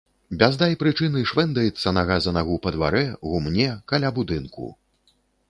Без дай прычыны швэндаецца нага за нагу па дварэ, гумне, каля будынку.